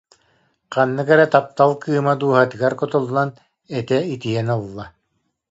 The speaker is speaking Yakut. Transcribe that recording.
Ханнык эрэ таптал кыыма дууһатыгар кутуллан, этэ итийэн ылла